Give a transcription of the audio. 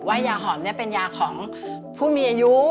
ว่ายาหอมนี่เป็นยาของผู้มีอายุ